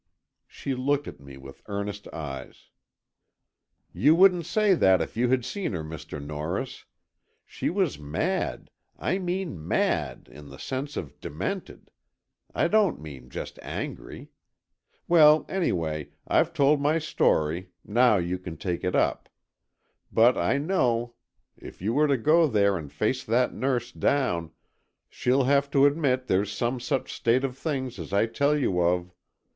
She looked at me with earnest eyes. "You wouldn't say that if you had seen her, Mr. Norris. She was mad—I mean mad, in the sense of demented—I don't mean just angry. Well, anyway, I've told my story, now you can take it up. But I know, if you go there and face that nurse down, she'll have to admit there's some such state of things as I tell you of.